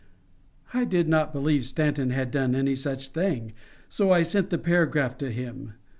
I did not believe Stanton had done any such thing, so I sent the paragraph to him.